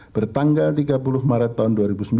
bertanggal tiga puluh maret tahun dua ribu sembilan belas